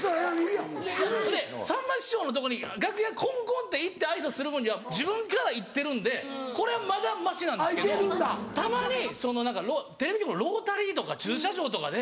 いやほんでさんま師匠のとこに楽屋コンコンって行って挨拶する分には自分から行ってるんでこれはまだましなんですけどたまにテレビ局のロータリーとか駐車場とかで。